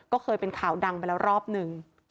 ก็เคยเป็นข่าวดังไปแล้วรอบหนึ่ง